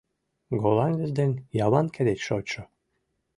— Голландец ден яванке деч шочшо.